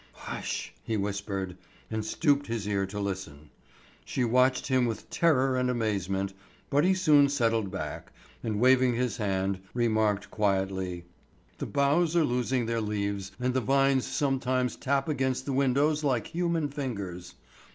"Hush!" he whispered, and stooped his ear to listen. She watched him with terror and amazement, but he soon settled back, and waving his hand remarked quietly: "The boughs are losing their leaves and the vines sometimes tap against the windows like human fingers.